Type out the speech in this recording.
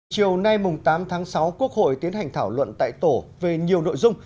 chiều nay tám tháng sáu quốc hội tiến hành thảo luận tại tổ về nhiều nội dung